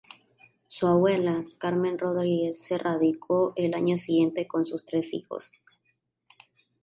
Su abuela, Carmen Rodríguez, se radicó al año siguiente con sus tres hijos.